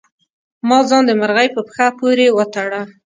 ما ځان د مرغۍ په پښه پورې وتړه.